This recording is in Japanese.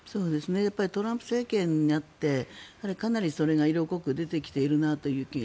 トランプ政権になってかなりそれが色濃く出てきているなという気が。